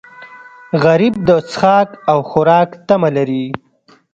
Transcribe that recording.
غریب د څښاک او خوراک تمه لري